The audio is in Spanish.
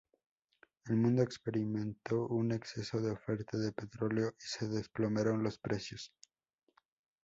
El mundo experimentó un exceso de oferta de petróleo y se desplomaron los precios.